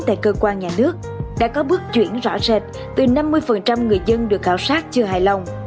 tại cơ quan nhà nước đã có bước chuyển rõ rệt từ năm mươi người dân được khảo sát chưa hài lòng